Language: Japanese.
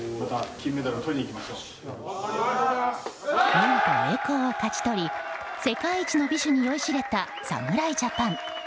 見事、栄光を勝ち取り世界一の美酒に酔いしれた侍ジャパン。